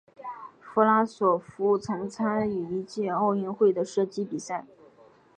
弗拉索夫曾参与一届奥运会的射击比赛。